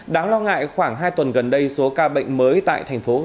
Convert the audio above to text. đáng lo ngại khoảng hai tuần gần đây số ca bệnh mới tại thành phố